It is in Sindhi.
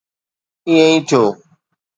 ائين ئي ٿيو.